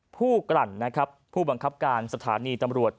กลั่นนะครับผู้บังคับการสถานีตำรวจ